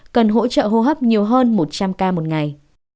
cần hỗ trợ hô hấp nhiều hơn một trăm linh ca một ngày